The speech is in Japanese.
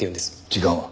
時間は？